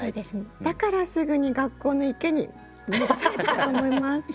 だからすぐに学校の池に戻されたと思います。